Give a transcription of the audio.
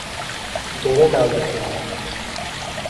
ڈیرے ڈال دیتے ہیں